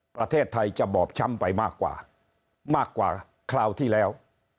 ประเทศไทยจะบอบช้ำไปมากกว่ามากกว่าคราวที่แล้ว